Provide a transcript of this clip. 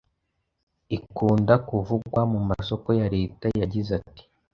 ikunda kuvugwa mu masoko ya Leta, yagize ati: “